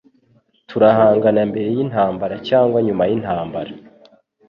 turahangana mbere yintambara cyangwa nyuma yintambara